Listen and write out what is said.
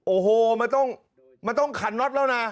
โอ้โหมันต้องขันน็อตแล้วนะ